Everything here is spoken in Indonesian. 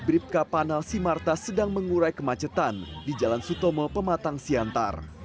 bribka panel simarta sedang mengurai kemacetan di jalan sutomo pematang siantar